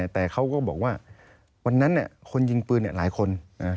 แต่เขาก็บอกว่าวันนั้นคนยิงปืนหลายคน